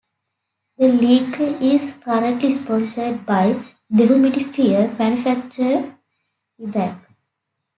The league is currently sponsored by dehumidifier manufacturer Ebac.